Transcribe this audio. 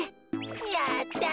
やった！